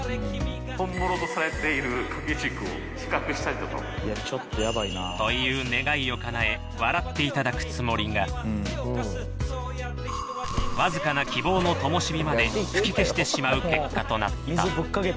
本物とされている掛け軸と比という願いをかなえ、笑っていただくつもりが、僅かな希望のともし火まで吹き消してしまう結果となった。